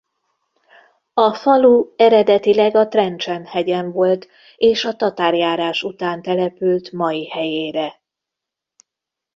A falu eredetileg a Trencsen-hegyen volt és a tatárjárás után települt mai helyére.